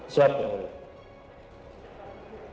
siap yang mulia